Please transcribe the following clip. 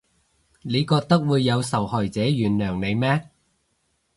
你覺得會有受害者原諒你咩？